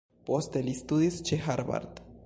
Poste li studis ĉe Harvard.